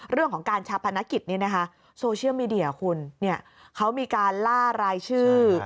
เรื่องของการชาปนกิจโซเชียลมีเดียคุณเขามีการล่ารายชื่อ